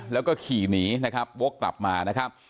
แล้วก็ขี่หนีนะครับวกกลับมานะครับ